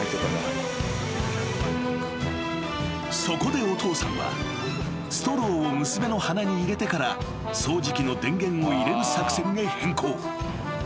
［そこでお父さんはストローを娘の鼻に入れてから掃除機の電源を入れる作戦へ変更］